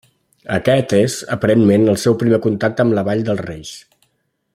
Aquest és, aparentment, el seu primer contacte amb la Vall dels Reis.